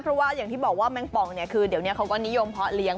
เพราะว่าอย่างที่บอกว่าแมงปองเนี่ยคือเดี๋ยวนี้เขาก็นิยมเพาะเลี้ยง